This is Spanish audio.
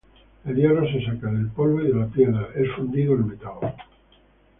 El hierro se saca del polvo, Y de la piedra es fundido el metal.